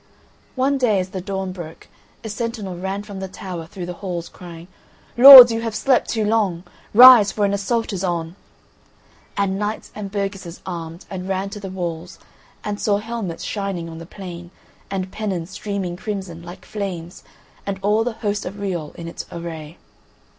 One day, as the dawn broke, a sentinel ran from the tower through the halls crying: "Lords, you have slept too long; rise, for an assault is on." And knights and burgesses armed, and ran to the walls, and saw helmets shining on the plain, and pennons streaming crimson, like flames, and all the host of Riol in its array.